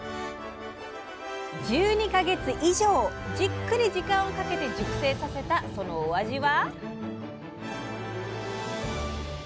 １２か月以上じっくり時間をかけて熟成させたそのお味は？